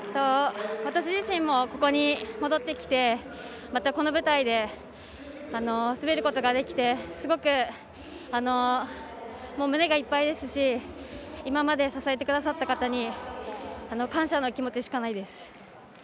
私自身も、ここに戻ってきてまたこの舞台で滑ることができてすごく胸がいっぱいですし今まで支えてくださった方に感謝の気持ちしかないです。